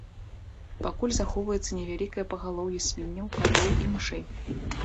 Пакуль захоўваецца невялікае пагалоўе свінняў, катоў і мышэй.